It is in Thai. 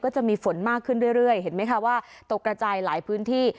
จะมีฝนมากขึ้นเรื่อยเห็นไหมคะว่าตกกระจายหลายพื้นที่